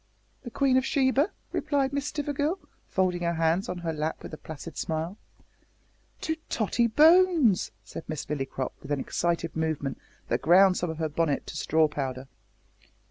"The Queen of Sheba," replied Miss Stivergill, folding her hands on her lap with a placid smile. "To Tottie Bones!" said Miss Lillycrop, with an excited movement that ground some of her bonnet to straw powder.